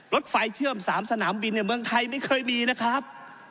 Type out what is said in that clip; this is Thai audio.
รถไฟเชื่อม๓สนามบินเนี่ยเมืองไทยไม่เคยมีนะครับ